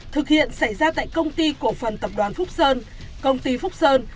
thực hiện xảy ra tại công ty cổ phần tập đoàn phúc sơn công ty phúc sơn